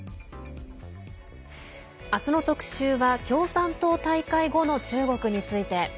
明日の特集は共産党大会後の中国について。